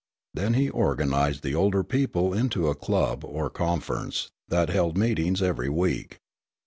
Then he organized the older people into a club, or conference, that held meetings every week.